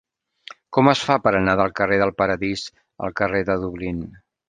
Com es fa per anar del carrer del Paradís al carrer de Dublín?